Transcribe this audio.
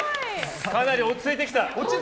かなり落ち着いてきた。